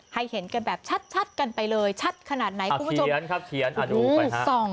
ให้เห็นกันแบบชัดกันไปเลยชัดขนาดไหนคุณผู้ชม